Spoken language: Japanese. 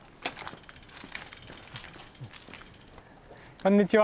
こんにちは。